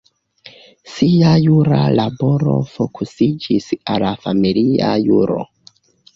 Ŝia jura laboro fokusiĝis al la familia juro.